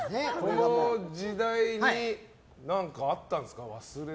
この時代に何かあったんですか？